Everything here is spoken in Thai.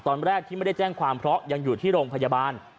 ตอนแรกที่ไม่ได้แจ้งความเพราะยังอยู่ที่โรงพยาบาล